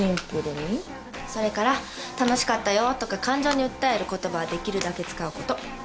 それから「楽しかったよ」とか感情に訴える言葉はできるだけ使うこと。